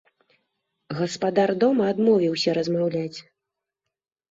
Гаспадар дома адмовіўся размаўляць.